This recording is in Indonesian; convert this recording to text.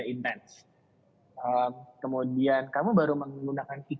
kemudian kamu baru menggunakan media kamu baru menggunakan media